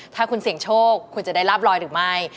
ถ้าคุณเสี่ยงโชคคุณจะได้ลาบรอยหรือไม่